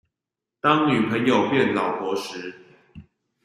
當女朋友變老婆時